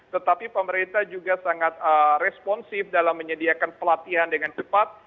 tetapi pemerintah juga sangat responsif dalam menyediakan pelatihan dengan cepat